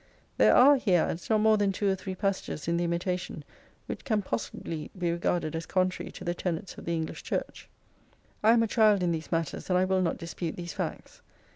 There are, he adds, not more than two or three passages in the " Imitation " which can possibly be regarded as contrary to the tenets of the English Church. I am a child in these matters, and I will not dispute these facts.